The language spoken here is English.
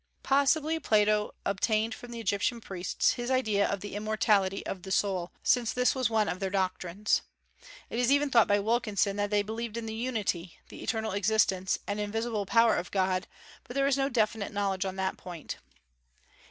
Possibly Plato obtained from the Egyptian priests his idea of the immortality of the soul, since this was one of their doctrines. It is even thought by Wilkinson that they believed in the unity, the eternal existence, and invisible power of God, but there is no definite knowledge on that point.